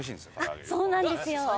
あっそうなんですよ！